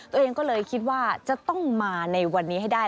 ตัวเองก็เลยคิดว่าจะต้องมาในวันนี้ให้ได้